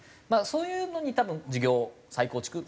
まあそういうのに多分事業再構築